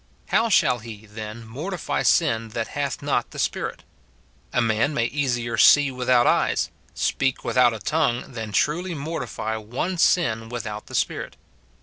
How shall he, then, mortify sin that hath not the Spirit ? A man may easier see without eyes, speak without a tongue, than truly mortify one sin without the Spirit.